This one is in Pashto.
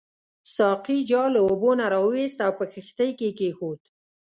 ساقي جال له اوبو نه راوایست او په کښتۍ کې کېښود.